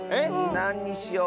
なんにしよう？